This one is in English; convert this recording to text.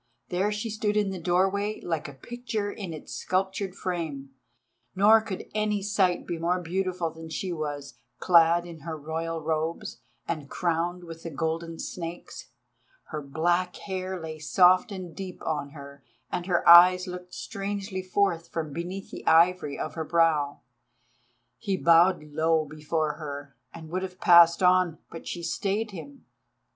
There she stood in the doorway like a picture in its sculptured frame, nor could any sight be more beautiful than she was, clad in her Royal robes, and crowned with the golden snakes. Her black hair lay soft and deep on her, and her eyes looked strangely forth from beneath the ivory of her brow. He bowed low before her and would have passed on, but she stayed him.